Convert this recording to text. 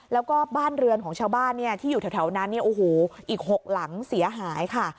แล้วก็บ้านเรือนของชาวบ้านที่อยู่แถวนั้นเนี่ยโอ้โหอีก๖หลังเสียหายค่ะ